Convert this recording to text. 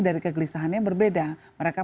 dari kegelisahannya berbeda mereka